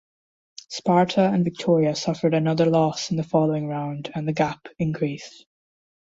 Sparta and Viktoria suffered another loss in the following round and the gap increased.